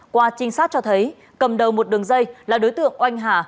qua trinh sát cho thấy cầm đầu một đường dây là đối tượng oanh hà